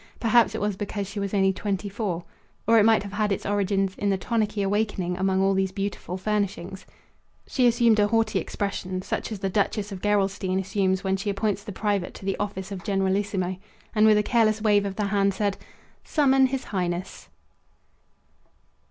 Perhaps it was because she was only twenty four. Or it might have had its origin in the tonicky awakening among all these beautiful furnishings. She assumed a haughty expression such as the Duchess of Gerolstein assumes when she appoints the private to the office of generalissimo and with a careless wave of the hand said: "Summon His Highness!"